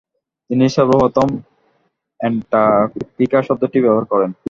তিনি সর্বপ্রথম অ্যান্টার্কটিকা শব্দটি ব্যবহার করেন।